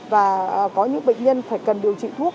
và có những bệnh nhân phải cần điều trị thuốc